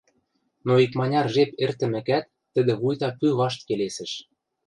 Но икманяр жеп эртӹмӹкӓт тӹдӹ вуйта пӱ вашт келесӹш: